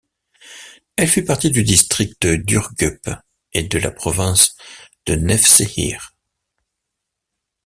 Elle fait partie du district d'Ürgüp et de la province de Nevşehir.